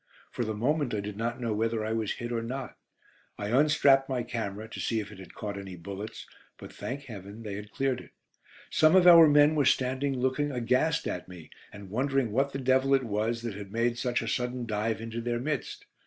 For the moment I did not know whether I was hit or not. I unstrapped my camera, to see if it had caught any bullets, but, thank Heaven, they had cleared it. Some of our men were standing looking aghast at me, and wondering what the devil it was that had made such a sudden dive into their midst.